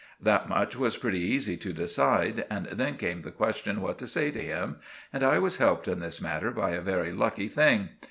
That much was pretty easy to decide, but then came the question what to say to him, and I was helped in this matter by a very lucky thing.